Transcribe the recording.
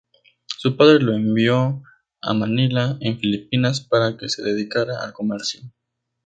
Su padre lo envió a Manila en Filipinas, para que se dedicara al comercio.